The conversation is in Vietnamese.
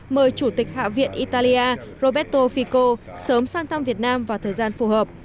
mời chủ tịch hạ viện italia roberto fico sớm sang thăm việt nam vào thời gian phù hợp